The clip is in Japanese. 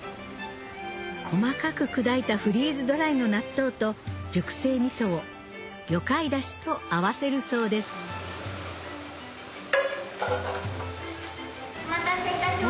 細かく砕いたフリーズドライの納豆と熟成みそを魚介ダシと合わせるそうですお待たせいたしました。